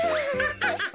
ハハハハ！